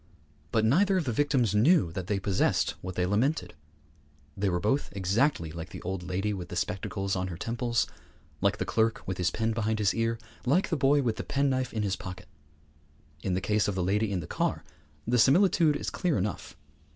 But neither of the victims knew that they possessed what they lamented. They were both exactly like the old lady with the spectacles on her temples, like the clerk with his pen behind his ear, like the boy with the penknife in his pocket. In the case of the lady in the car the similitude is clear enough.